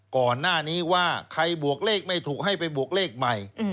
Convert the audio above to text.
ก่อนหน้านี้ว่าใครบวกเลขไม่ถูกให้ไปบวกเลขใหม่